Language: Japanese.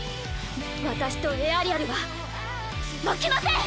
私とエアリアルは負けません！